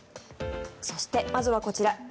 そして、まずはこちら。